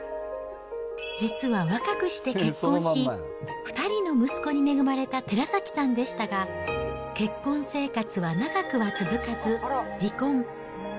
実は若くして結婚し、２人の息子に恵まれた寺崎さんでしたが、結婚生活は長くは続かず、離婚。